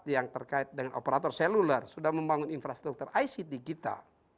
yang terkait dengan operator seluler sudah membangun infrastruktur icd kita